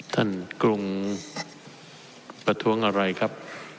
กรุงประท้วงอะไรครับ